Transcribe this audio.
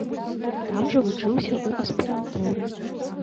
Там жа вучыўся ў аспірантуры.